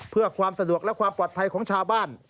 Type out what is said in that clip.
เพื่อความสะดวกและความปลอดภัยของชาวบ้าน